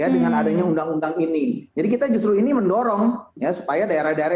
dengan adanya undang undang ini jadi kita justru ini mendorong ya supaya daerah daerah